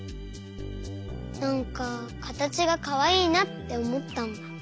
なんかかたちがかわいいなっておもったんだ。